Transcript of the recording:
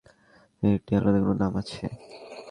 এর কি আলাদা কোনো নাম আছে?